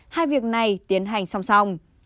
hai việc này tiến hành song song